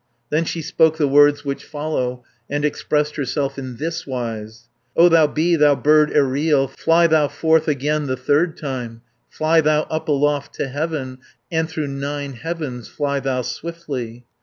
470 Then she spoke the words which follow, And expressed herself in thiswise: "O thou bee, thou bird aerial, Fly thou forth again the third time, Fly thou up aloft to heaven, And through nine heavens fly thou swiftly.